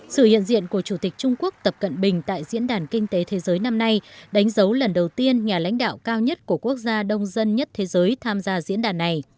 sự hiện diện của chủ tịch trung quốc tập cận bình tại diễn đàn kinh tế thế giới năm nay đánh dấu lần đầu tiên nhà lãnh đạo cao nhất của quốc gia đông dân nhất thế giới tham gia diễn đàn này